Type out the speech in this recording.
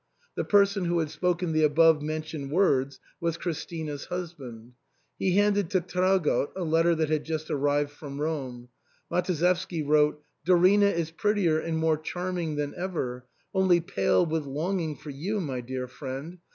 The person who had spoken the above mentioned words was Christina's husband. He handed to Traugott a letter that had just arrived from Rome. Matuszewski wrote :—" Dorina is prettier and more charming than ever, only pale with longing for you, my dear friend.